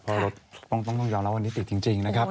เพราะรถต้องยอมรับวันนี้ติดจริงนะครับ